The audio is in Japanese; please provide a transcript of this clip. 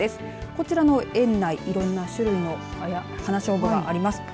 こちらの園内いろんな種類のハナショウブがあります。